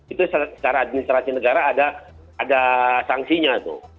itu secara administrasi negara ada sangsinya